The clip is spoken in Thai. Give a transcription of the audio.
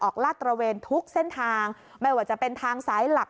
ลาดตระเวนทุกเส้นทางไม่ว่าจะเป็นทางสายหลัก